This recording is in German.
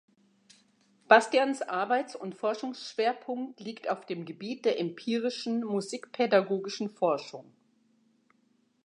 Bastians Arbeits- und Forschungsschwerpunkt liegt auf dem Gebiet der empirischen musikpädagogischen Forschung.